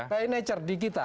by nature di kita